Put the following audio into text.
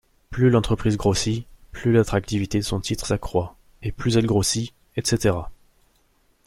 Plus l’entreprise grossit, plus l’attractivité de son titre s’accroit et plus elle grossit, etc.